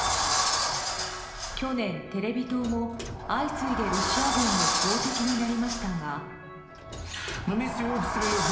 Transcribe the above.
去年、テレビ塔も相次いでロシア軍の標的になりましたが。